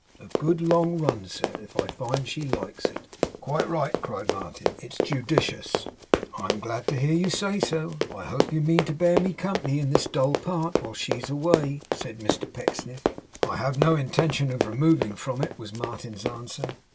A good long run, sir, if I find she likes it.' 'Quite right,' cried Martin. 'It's judicious.' 'I am glad to hear you say so. I hope you mean to bear me company in this dull part, while she's away?' said Mr Pecksniff. 'I have no intention of removing from it,' was Martin's answer.